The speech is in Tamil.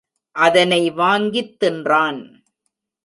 அதனை வாங்கித் தின்றான்.